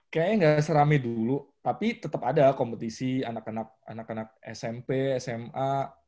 kayaknya nggak serami dulu tapi tetap ada kompetisi anak anak smp sma